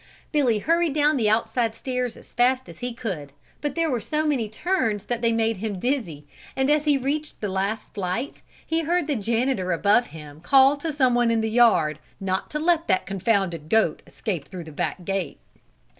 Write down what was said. Billy hurried down the outside stairs as fast as he could, but there were so many turns they made him dizzy and as he reached the last flight, he heard the janitor above him call to someone in the yard not to let that confounded goat escape through the back gate.